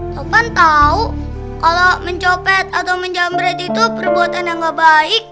topan tau kalo mencopet atau menjamret itu perbuatan yang gak baik